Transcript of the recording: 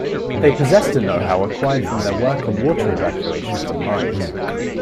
They possessed a know-how acquired from their work on water evacuation from mines.